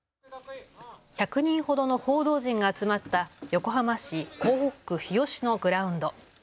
１００人ほどの報道陣が集まった横浜市港北区日吉のグラウンド。